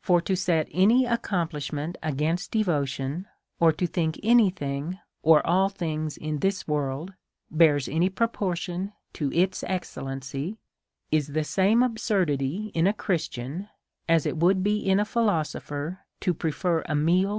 For, to set any accomplishment against devotion, or to think an) thing or all things in the world bears any proportion to its excellency, is the same absurdity in a Christian, as it would be in a philosopher to prefer a DEtOUT AN© ttOLV tlFE.